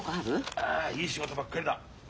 ああいい仕事ばっかりだ。